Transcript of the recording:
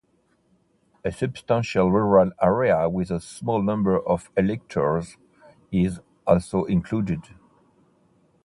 A substantial rural area with a small number of electors is also included.